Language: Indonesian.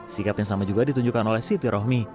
sikap yang sama juga ditunjukkan oleh siti rohmi